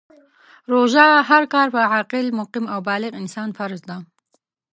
روژه هر کال په عاقل ، مقیم او بالغ انسان فرض ده .